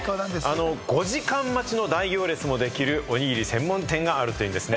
５時間待ちの大行列もできるおにぎり専門店があるんです。